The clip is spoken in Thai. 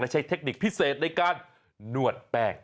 ใช้เทคนิคพิเศษในการนวดแป้ง